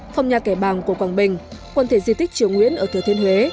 phòng nhà kẻ bàng của quảng bình quần thể di tích triều nguyễn ở thừa thiên huế